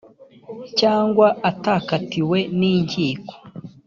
cyangwa atakatiwe n’inkiko